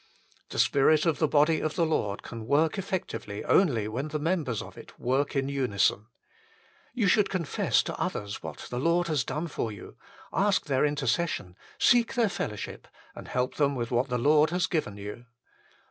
The Spirit of the body of the Lord can work effectively only when the members of it work in unison. You should confess to others 102 THE FULL BLESSING OF PENTECOST what the Lord has done for you, ask their intercession, seek their fellowship, and help them with what the Lord has given you.